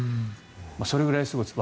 それぐらいすごいです。